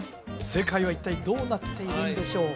正解は一体どうなっているんでしょう？